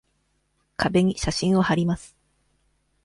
壁に写真をはります。